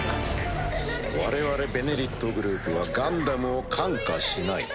我々「ベネリット」グループはガンダムを看過しない。